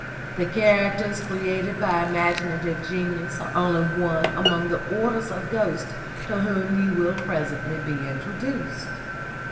The characters created by imaginative genius are only one among the orders of ghosts to whom you will presently be introduced.